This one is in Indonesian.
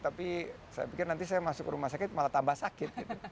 tapi saya pikir nanti saya masuk rumah sakit malah tambah sakit